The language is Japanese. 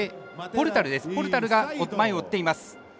ポルタルが前を追っています。